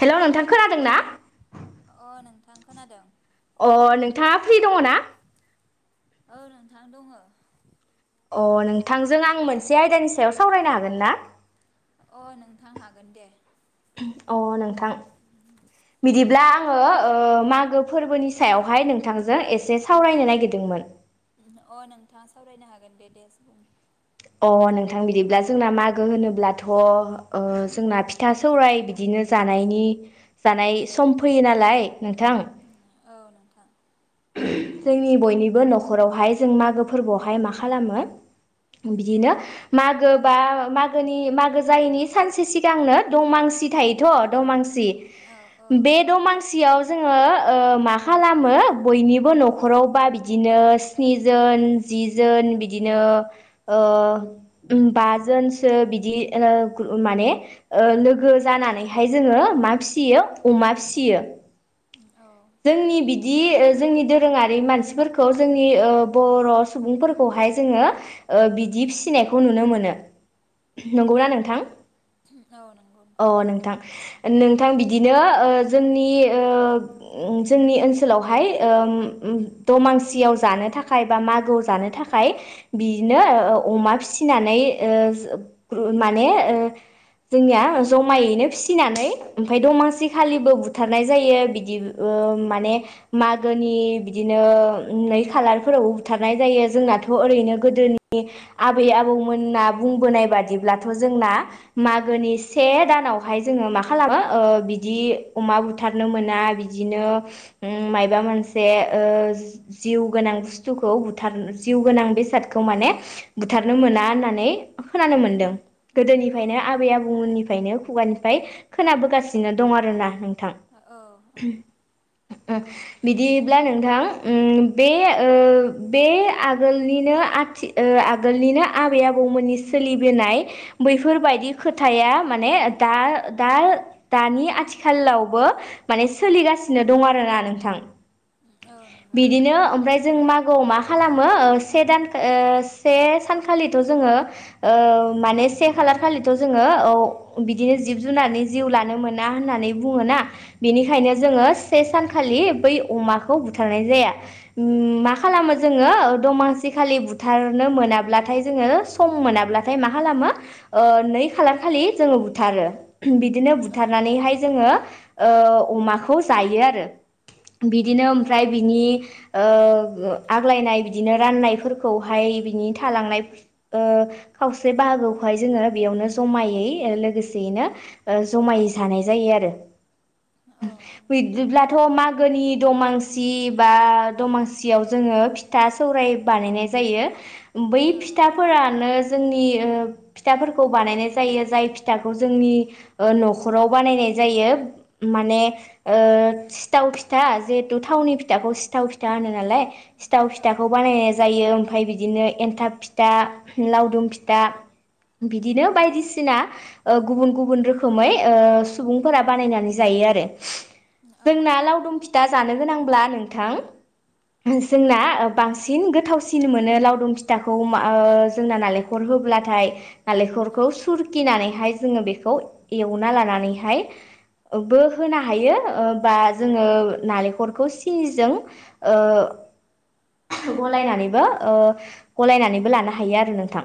हेल नोंथां खोनादों ना नों खोनादों? अ नोंथाङा फ्रि दङ ना? औ नोंथां दङ अ नों नोंथांजों आं मोनसे आयदानि सायाव सावरायनो हागोन ना? थां हागोन दे अ नोंथां बिदिब्ला आङो ओ मागो फोरबोनि सायावहाय नोंथांजों एसे सावरायनो नागिरदोंमोन अ नोंथाङा सावरायनो हागोन दे दे। अ नोंथां बिदिब्ला जोंना मागो होनोब्लाथ ओ जोंना फिथा सौराय बिदिनो जानायनि जानाय सम फैयो नालाय नोंथां औ नोंथां जोंनि बयनिबो नखरावहाय जों मागो फोरबोआवहाय मा खालामो बिदिनो मागो बा मागोनि मागो जायैनि सानसे सिगांनो दमांसि थायोथ दमांसि औ औ बे दमांसियाव जोङो मा खालामो बयनिबो नखरावबा बिदिनो स्निजोन जि जोन बिदिनो बाजोनसो बिदि माने लोगो जानानैहाय जोङो मा फिसियो अमा फिसियो औ जोंनि बिदि बि जोंनि दोरोङारि मानसिफोरखौ जोंनि बर सुबुंफोरखौहाय जोङो बिदि फिसिनायखौ नुनो मोनो औ नंगौना नोंथां? औ नंगौ अ नोंथां। नोंथां बिदिनो जोंनि ओ जोंनि ओनसोलावहाय दमांसियाव जानो थाखाय बा मागोआव जानो थाखाय बिदिनो अमा फिसिनानै माने जोंनिया जमायैनो फिसिनानै ओमफफ्राय दमांसि खालिबो बुथारनाय जायो बिदि माने म मागोनि बिदिनो नै खालार फोरावबो बुथारनाय जायो जोंनाथ ओरैनो गोदोनि आबै आबौ मोना बुंबोनाय बादिब्लाथ जोंना मागोनि से दानावहाय जोंङो मा खालामो बिदि अमा बुथारनो मोना बिदिनो माबा मोनसे ओजिउ गोनां बुस्थुखौ बुथार जिउ गोनां बेसादखौ माने बुथारनो मोना होननानै खोनानो मोनदों औ गोदोनिफ्रायनो आबै नंगौ आबौमोननिफ्रायनो खुगानिफ्राय खोनाबोगासिनो दं आरो ना नों औ औ। [unintelligible] बिदिब्ला नोंथां बे ओ बे आगोलनिनो आथि आगोलनिनो आबै आबौमोननि सोलिबोनाय बैफोरबायदि खोथाया माने दा दा दानि आथिखालावबो माने सोलिगासिनो दं आरोना नोंथां औ नंगौ नोंथां बिदिनो ओमफ्राय जों माग मागोआव मा खालामो ओ से दान से सानखालिथ जोङो ओ माने से खालार खालिथ जोङो ओ बिदिनो जिब जुनारनि जिउ लानो मोना होननानै बुङोना बिनिखायनो जोङो से सानखालि बै अमाखौ बुथारनाय जाया मा औ खालामो नंगौ जोङो नोंथां दमासिखालि बुथारनो मोनाब्लाथाय जोङो सम मोनाब्लाथाय मा खालामो ओ नै खालार खालि जोङो बुथारो। बिदिनो औ नंगौ बुथारनानैहाय जोङो ओ अमाखौ जायो आरो। बिदिनो औ ओमफ्राय बिनि ओ आग्लायनाय बिदिनो राननायफोर खौहाय बिनि थालांनाय खावसे बाहागोखौहाय जोंङो बेयावनो जमायै लोगोसेयैनो जमायै जानाय जायो आरो। औ नंगौ बिदिदिब्लाथ' मा गोनि दमासि बा दमासियाव जोङो फिथा सौराय बानायनाय जायो। बै औ नंगौ फिथाफोरानो जोंनि ओ फिथाफोर खौ बानायनाय जायो जाय फिथ फिथाखौ जोंनि ओ न'खराव बानायनाय जायो माने ओ थाव फिथा जिहेथु थावनि फिथाखौ सिथाव फिथा होनो नालाय सिथाव औ फिथाखौ बानायनाय जायो। ओमफाय बिदिनो एन्थाब फिथा लावदुम फिथा बिदिनो बायदिसिना गुबुन गुबुन रोखोमै ओ सुबुंफोरा बानायनानै जायो आरो। औ जोंना लावदुम फिथा जानो गोनांब्ला नोंथां जोंना बांसिन गोथावसिन मोनो लावदुम फिथाखौ ओ जोंना औ नालेंखलर होब्ला नाथाय नालेंखरखौ सुरखिनानैहाय जोंङो बेखौ एवना लानानैहाय बो होनो हायो ओ बा जोङो नालेंखलखौ सिनिजों गलनानैबो गलायनानैबो लानो हायो आरो नोंथां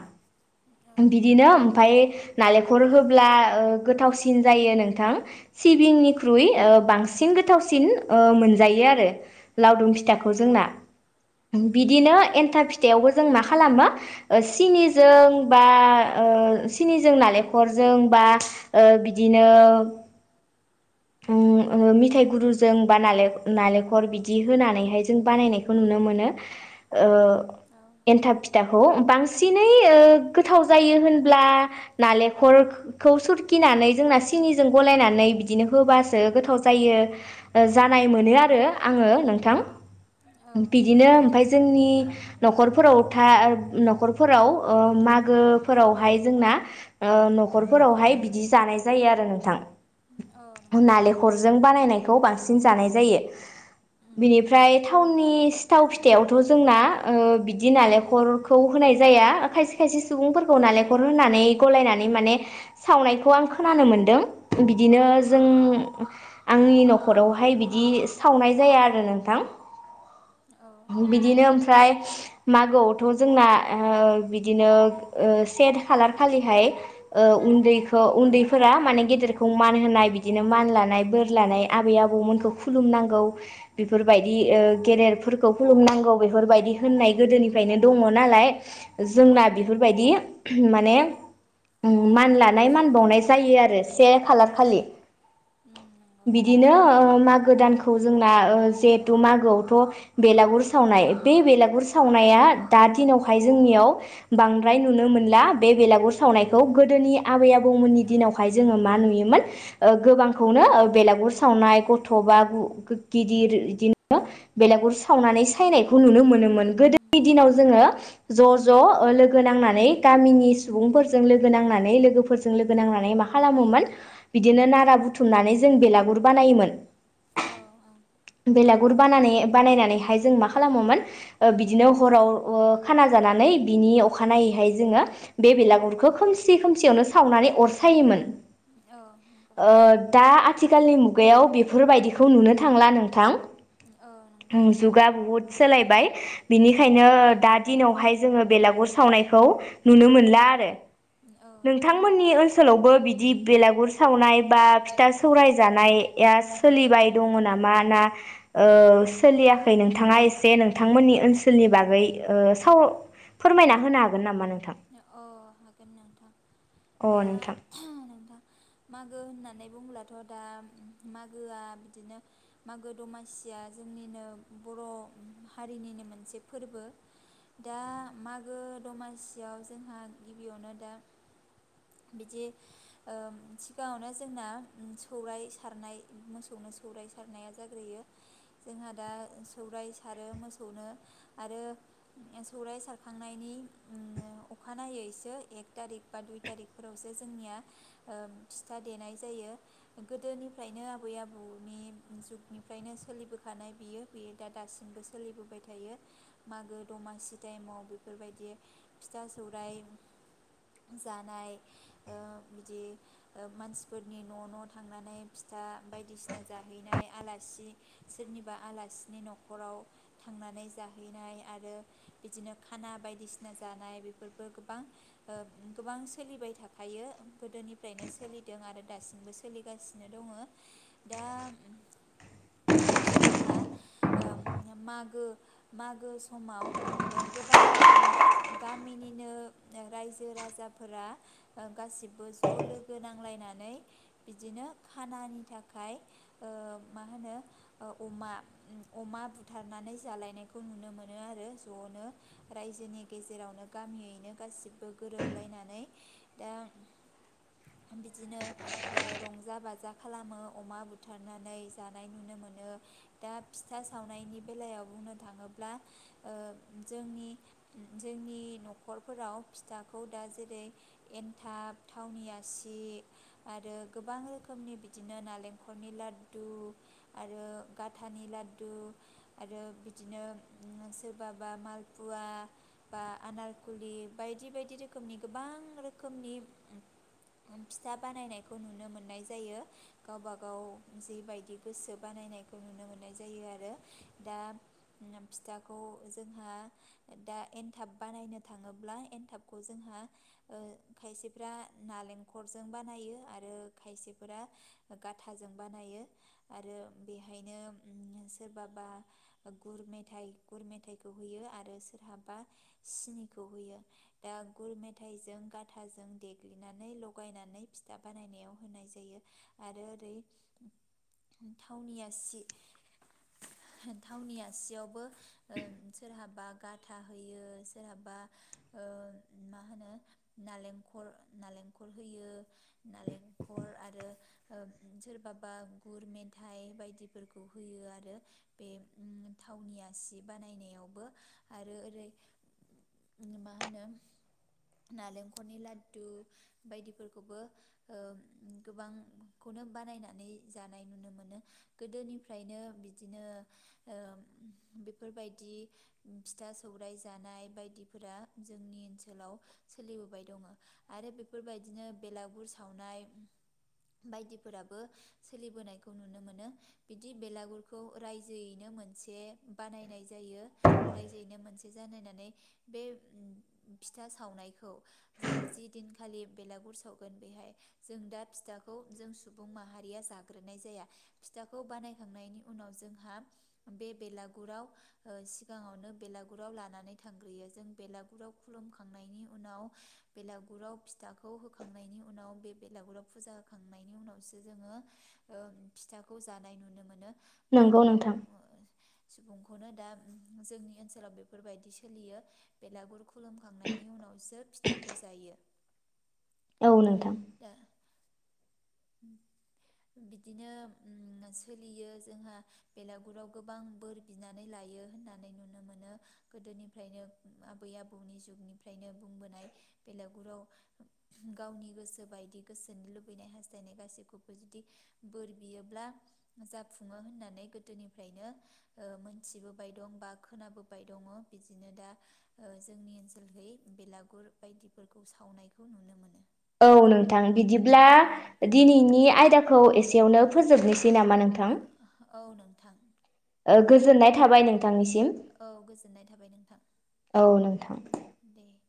बिदिनो ओमफफ्राय नालेंखल होब्ला गोथावसिन जायो नोंथां सिबिंनिख्रुइ बांसिन गोथावसिन मोनजायो आरो लावदुम फिथाखौ जोंना औ बिदिनो एन्थाब थावबो जों मा खालामो सिनिजों बा ओ सिनिजों नालेंखलजों बा बिदिनो ओम मिथायाइ गुरुजों बा नालेंखर बिदि होनानैहाय जों बानायनायखौ नुनो मोनो ओ औ एन्थाब फिथाखौ बांसिनै गोथाव जायो होनब्ला नालेखरखौ सुरखिनानै जोंना सिनिजों गलायनानै बिदिनो- होबासो गोथाव जायो जानाय मोनो आरो आङो नोंथां औ नंगौ बिदिनो नोंथां ओमफाय जोंनि न'खरफोराव था न'खरफोराव ओ मागोफोरावहाय जोंना ओ न'खरफोरावहाय बिदि जानाय जायो आरो नोंथां। औ नंगौ नोंथां नालेंखरजों बानायनायखौ बांसिन सिन जानाय जायो। बिनिफ्राय थावनि सिथाव फिथायावथ जोंना ओ बिदि नालेंखरखौ होनाय जाया। खायसे खायसे सुबुंफोरखौ नालेंखर होनानै गलायनानै माने सावनायखौ आं खोनानो मोनदों। बिदिनो औ जों नंगौ आंनि न'खरावहाय बिदि सावनाय जाया आरो नोंथां औ बिदिनो ओम ओमफ्राय मागोआवथ जोंना ओ बिदिनो ओ से खालार खालिहाय ओ उन्दैखौ उन्दैफोरा माने गेदेरखौ मान होनाय बि बिदिनो मान लानाय बोर लानाय आबै आबौमोनखौ खुलुमनांगौ बेफोरबायदि ओ गेदेरफोरखौ खुलुमनांगौ बेफोरबायदि होननाय गोदोनिफ्रायनो दङ नालाय औ नंगौ जोंना बेफोरबायदि माने उम मान लानाय मान बावनाय जायो आरो से खालार औ खालि नंगौ बिदिनो ओम मागो दानखौ जोंना ओ जिहेथु मागोआवथ बेलागुर सावनाय बे बेलागुर सावनाया दा दिनावहाय जोंनियाव बांद्राय नुनो मोनला बे बेलागुर सावनायखौ गोदोनि आबै आबौमोननि औ दिनावहाय जोङो मा नुयोमोन ओ गोबांखौनो बेलागुर सावनाय गथ बा गिदिर बिदिनो बेलागुर सावनानै सायनायखौ नुनो मोनोमोन गोदोनि दिनाव जोङो ज ज लोगो नांनानै गामिनि सुबुंफोरजों लोगो नांनानै लोगोफोरजों लोगो नांनानै मा खालामोमोन बिदिनो नारा बुथुमनानै जों बेलागुर बानायोमोन [unintelligible] बेलागुर बानानै बानायनानैहाय जों मा खालामोमोन ओ बिदिनो हराव ओ खाना जानानै बिनि अखानायैहाय जोङो बे बेलागुरखौ खोमसि खोमसियावनो सावनानै अर सायोमोन ओ दा आथिखालनि मुगायाव बेफोरबायदिखौ नुनो थांला नों थां नंगौ नोंथां जुगा बुहुद सोलायबाय [unintelligible] औ बिनिखायनो दा दिनावहाय जोङो बेलागुर सावनायखौ नुनो मोनला आरो औ नंगौ नोंथांमोननि ओनसोलावबो बिदि दि बेलागुर सावनाय बा फिथा सौराय जानाय या सोलिबाय दङ नामा ना ओ सोलियाखै नोंथाङा एसे नोंथांमोननि ओनसोलनि बागै ओ साव फोरमायना होनो हागोन नामा नों थां गोन नोंथां अ दा नोंथां नोंथां मागो होननानै बुंओब्लाथ' दा मागोआ बिदिनो मागो दमासिया जोंनिनो बर' हारिनिनो मोनसे फोरबो दा मागो दमासि बियाव जोंहा गिबियावनो दा बिदि ओ सिगाङावनो जोंना सौराय सारनाय मोसौनो सौराय सारनाया जाग्रोयो जोंहा दा सौराय सारो मोसौनो आरो सौराय सारखांनायनि ओ अखानायैसो एक थारिख बा दुइ थारिखफोरावसो जोंनिया ओ फिथा देनाय जायो गोदोनिफ्रायनो आबै आबौनि जुगनिफ्रायनो सोलिबोखानाय बियो बेयो दा दासिमबो सोलिबोबाय थायो मागो दमासि टाइमाव बेफोरबायदि फिथा सौरायाइ जानाय ओ बिदि मानसिफोरनि न-न थांनानै फिथा बायदिसिना जाहैनाय आलासि सोरनिबा आलासिनि नखराव थांनानै जाहैनाय आरो बिदिनो खाना बायदिसिना जानाय बेफोरबो गोबां ओ गोबां सोलिबाय थाखायो गोदोनिफ्रायनो सोलिदों आरो दासिमबो सोलिगासिनो दङ दा जोंहा ओ मागो-मागो समाव गोबां गामिनिनो ओ रायजो राजाफोरा गासिबो ज लोगो नांलायनानै बिदिनो खानानि थाखाय ओ मा होनो अमा-अमा बुथारनानै जालायनायखौ नुनो मोनो आरो जनो रायजोनि गेजेरावनो गामियैनो गासिबो गोरोबलायनानै दा बिदिनो रंजा ओ बाजा खालामो अमा बुथारनानै जानाय नुनो मोनो दा फिथा सावनायनि बेलायाव बुंनो थाङोब्ला ओ जोंनि जोंनि न'खरफोराव फिथाखौ दा जेरै एनथाब थावनि आसि आरो गोबां रोखोमनि बिदिनो नालेंखरनि लाद्दु आरो गाथानि लाद्दु आरो बिदिनो सोरबाबा मालपुवा बा आनारखुलि बायदि बायदि रोखोमनि गोबां रोखोमनि फिथा बानायनायखौ नुनो मोननाय जायो गावबा गाव जिबायदि गोसो बानायनायखौ नुनो मोननाय जायो आरो दा फिथाखौ जोंहा दा एनथाब बानायनो थाङोब्ला एनथाबखौ जोंहा ओ खायसेफोरा नालेंखरजों बानायो आरो खायसेफोरा गाथाजों बानायो आरो बेहायनो उम सोरबाबा गुर मेथाइ गुर मेथाइखौ होयो आरो सोरहाबा सिनिखौ होयो दा गुर मेथाइजों गाथाजों देग्लिनानै लगायनानै फिथा बानायनायाव होनाय जायो आरो ओरै थावनि आसि थावनि आसियावबो ओ सोरहाबा गाथा। होयो सोरहाबा ओ मा होनो नालेंखर नालेंखल होयो नालेंखर आरो ओ सोरबाबा गुर मेथाइ बायदिफोरखौ होयो आरो बे थावनि आसि बानायनायावबो आरो। जेरै- मा होनो नालेंखलनि लाडदु बायदिफोरखौबो ओ गोबांखौनो बानायनानै जानाय नुनो मोनो गोदोनिफ्रायनो बिदिनो ओ बेफोरबायदि फिथा सौराय जानाय बायदिफोरा जोंनि ओनसोलाव सोलिबोबाय दङ आरो बेफोरबायदिनो बेलागुर सावनाय बायदिफोराबो सोलिबोनायखौ नुनो मोनो बिदि बेलागुरखौ रायजोयैनो मोनसे बानायनाय जायो रायजोयैनो मोन जानायनानै बे फिथा सावनायखौ जे जि दिनखालि बेलागुर सावगोन बेहाय जों दा फिथाखौ जों सुबुं माहारिया जाग्रोनाय जाया फिथाखौ बानायखांनायनि उनाव जोंहा बे बेलागुराव ओ सिगाङावनो बेलागुर। गुराव लानानै थांग्रोयो जों बेलागुराव खुलुमखांनायनि उनाव बेलागुराव फिथाखौ होखांनायनि उनाव बे बेलागुराव फुजा होखांनायनि उनावसो जोङो ओ फिथाखौ जानाय नुनो मोनो। ओ नंगौ गोबां नोंथां ओ। सुबुंखौनो दा जोंनि ओनसोलाव बे। बेफोरबायदि सोलियो बेलागुर खुलुमखांनायनि उनावसो फिथाखौ जायो औ नोंथां। दा बिदिनो उम सोलियो जोंहा बेलागुराव गोबां बोर बिनानै लायो होननानै नुनो मोनो। गोदोनिफ्रायनो आबै आबौनि जुगनिफ्रायनो बुंबोनाय बेलागुराव गावनि गोसो बायदि गोसोनि लुबैनाय हास्थायनाय गासैखौबो जुदि बोर बियोब्ला जाफुङो होननानै गोदोनिफ्रायनो ओ मोनथिबोबाय दं बा खोनाबोबाय दङ। बिदिनो दा जोंनि ओनसोलहै बेलागुर बायदिफोरखौ सावनायखौ नुनो मोनो। औ नोंथां। बिदिब्ला औ नोंथां दिनैनि आयदाखौ एसे एसेयावनो फोजोबनोसि नामा नोंथां ओ औ नोंथां गोजोननाय थाबाय नोंथांनिसिम औ गोजोननाय थाबाय नोंथां औ नोंथां। दे।